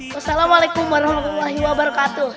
wassalamualaikum warahmatullahi wabarakatuh